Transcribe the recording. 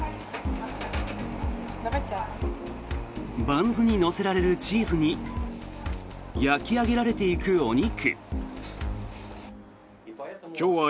バンズに乗せられるチーズに焼き上げられていくお肉。